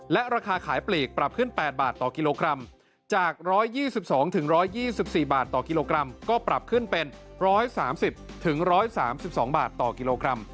และราคาขายปลีกปรับขึ้น๘บาทต่อกิโลกรัมจาก๑๒๒๑๒๔บาทต่อกิโลกรัมก็ปรับขึ้นเป็น๑๓๐๑๓๒บาทต่อกิโลกรัม